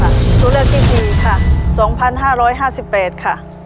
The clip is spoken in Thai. ตัวเลือกที่๔ค่ะ๒๕๕๘ค่ะ